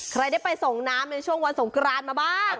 ใครได้ไปส่งน้ำในช่วงวันสงกรานมาบ้าง